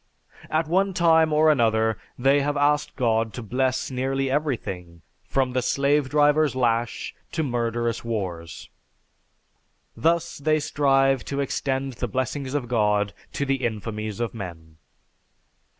At one time or another, they have asked God to bless nearly everything, from the slave driver's lash to murderous wars. Thus they strive to extend the blessings of God to the infamies of men.